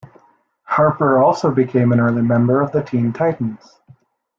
Harper also became an early member of the Teen Titans.